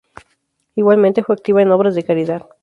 Igualmente, fue activa en obras de caridad.